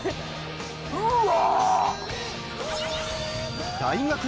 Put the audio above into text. うわ！